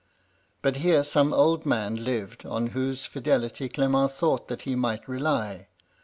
But here some old man lived on whose fidelity Clement thought that he might rely.